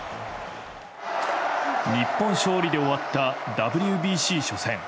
日本勝利で終わったＷＢＣ初戦。